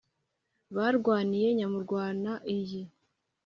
barwaniye nyamurwana iyi.